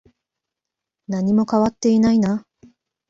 何も変わっていないな。